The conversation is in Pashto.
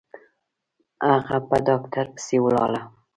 هغه په ډاکتر پسې ولاړه.